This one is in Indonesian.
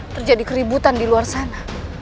terjadi keributan di luar sana